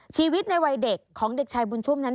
ชีวิตในวัยเด็กของเด็กชายบุญชุ่มนั้น